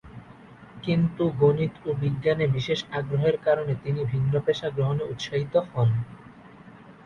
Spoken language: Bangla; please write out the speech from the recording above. কিন্তু গণিত ও বিজ্ঞানে বিশেষ আগ্রহের কারণে তিনি ভিন্ন পেশা গ্রহণে উৎসাহিত হন।